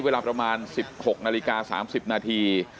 เวลาประมาณ๑๖นาฬิกา๓๐นาที